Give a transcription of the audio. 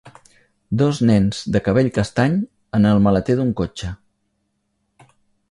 Dos nens de cabell castany en el maleter d'un cotxe.